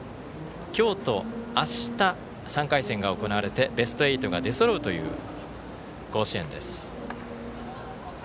今日と、あした３回戦が行われてベスト８が出そろうという甲子園です。